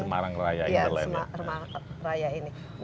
semarang raya yang berlainan